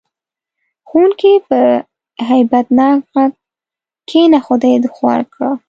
ښوونکي په هیبت ناک غږ: کېنه خدای دې خوار کړه.